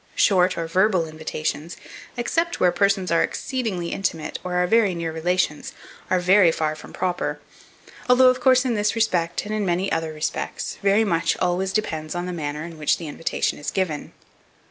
Short or verbal invitations, except where persons are exceedingly intimate, or are very near relations, are very far from proper, although, of course, in this respect and in many other respects, very much always depends on the manner in which the invitation is given.